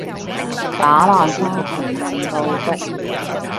打爛沙盤問到篤